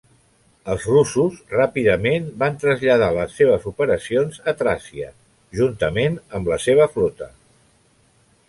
Els russos ràpidament van traslladar les seves operacions a Tràcia, juntament amb la seva flota.